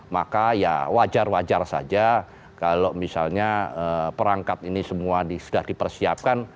maka ya wajar wajar saja kalau misalnya perangkat ini semua sudah dipersiapkan